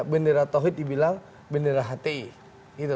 bendera tauhid dibilang bendera hti